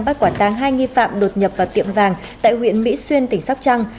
bắt quản táng hai nghi phạm đột nhập vào tiệm vàng tại huyện mỹ xuyên tỉnh sóc trăng